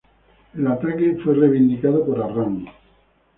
El ataque fue reivindicado por Arran.